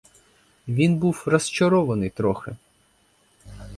Він був розчарований трохи.